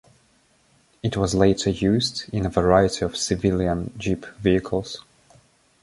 It was later used in a variety of civilian Jeep vehicles.